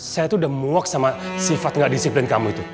saya tuh the mock sama sifat gak disiplin kamu itu